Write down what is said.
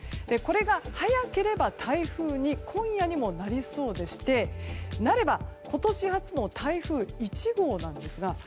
これが早ければ台風に今夜にもなりそうでしてなれば、今年初の台風１号なんですが。